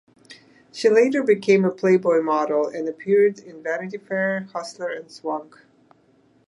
She later became a "Playboy" model and appeared in "Vanity Fair", "Hustler", and "Swank".